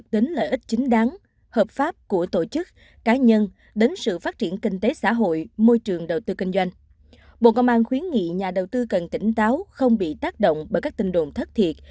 bộ công an khuyến nghị nhà đầu tư cần tỉnh táo không bị tác động bởi các tin đồn thất thiệt